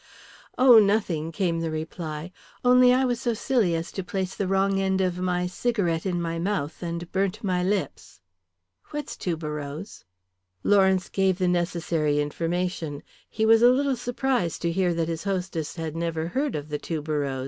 "Oh, nothing," came the reply. "Only I was so silly as to place the wrong end of my cigarette in my mouth and burnt my lips. What's tuberose?" Lawrence gave the necessary information. He was a little surprised to hear that his hostess had never heard of the tuberose.